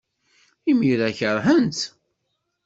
Imir-a, keṛheɣ-tt.